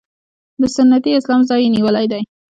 د سنتي اسلام ځای یې نیولی دی.